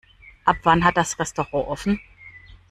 Ab wann hat das Restaurant offen?